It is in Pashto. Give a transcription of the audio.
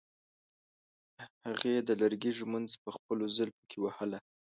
هغې د لرګي ږمنځ په خپلو زلفو کې وهله.